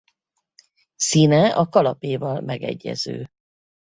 Színe a kalapéval megegyező.